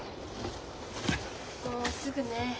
もうすぐね。